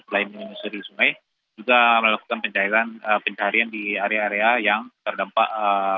selain menyusuri sungai juga melakukan pencarian di area area yang terdampak